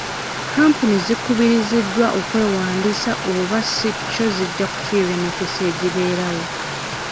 Kapuni zikubiriziddwa okwewandiisa oba si kyo zijja kufiirwa emikisa egibeerawo.